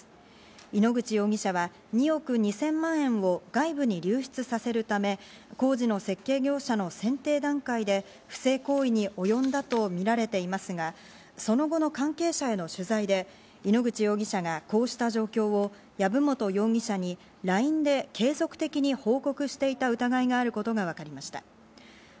井ノ口容疑者は２億２０００万円を外部に流出させるため、工事の設計業者の選定段階で不正行為におよんだとみられていますが、その後の関係者への取材で井ノ口容疑者がこうした状況を籔本容疑者にＬＩＮＥで継続的に報告していた疑いがあることがわかりました。